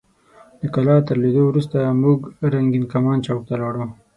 د کلا تر لیدو وروسته موږ رنګین کمان چوک ته لاړو.